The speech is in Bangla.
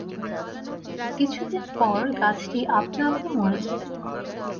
কিছুদিন পর গাছটি আপনা-আপনি মরে যায়।